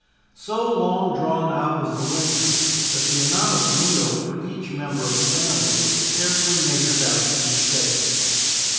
So long drawn out was the winter, that the amount of meal for each member of the family was carefully measured out each day.